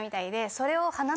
それを。